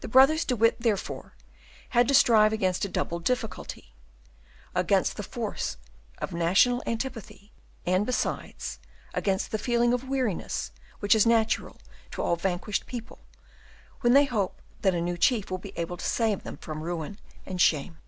The brothers De Witt, therefore, had to strive against a double difficulty, against the force of national antipathy, and, besides, against the feeling of weariness which is natural to all vanquished people, when they hope that a new chief will be able to save them from ruin and shame.